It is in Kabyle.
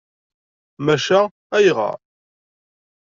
Maca ayɣer?